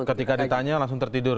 ketika ditanya langsung tertidur